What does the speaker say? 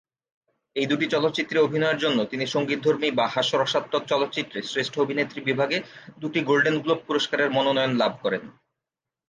এই দুটি চলচ্চিত্রে অভিনয়ের জন্য তিনি সঙ্গীতধর্মী বা হাস্যরসাত্মক চলচ্চিত্রে শ্রেষ্ঠ অভিনেত্রী বিভাগে দুটি গোল্ডেন গ্লোব পুরস্কারের মনোনয়ন লাভ করেন।